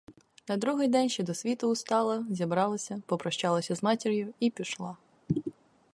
На другий день ще до світу устала, зібралася, попрощалася з матір'ю — і пішла.